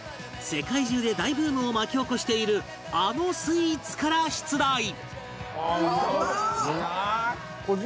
世界中で大ブームを巻き起こしているあのスイーツから出題